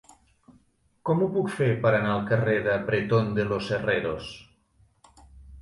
Com ho puc fer per anar al carrer de Bretón de los Herreros?